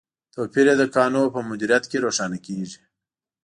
توپیر یې د کانونو په مدیریت کې روښانه کیږي.